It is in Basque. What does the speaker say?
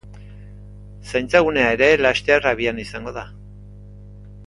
Zaintza gunea ere laster abian izango da.